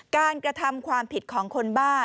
กระทำความผิดของคนบ้า